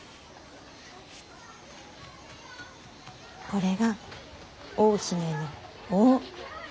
これが大姫の「大」。